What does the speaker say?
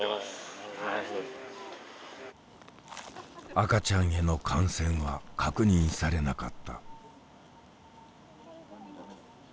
赤ちゃんへの感染は確認されなかった。